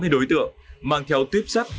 tám mươi đối tượng mang theo tuyếp sắt gắn súng